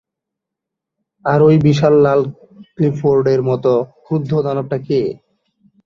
আর ওই বিশাল লাল ক্লিফোর্ডের মত ক্রুদ্ধ দানবটা কে?